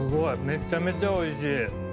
めちゃめちゃおいしい。